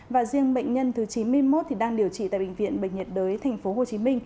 và riêng bệnh nhân thứ chín mươi một đang điều trị tại bệnh viện bệnh nhiệt đới tp hcm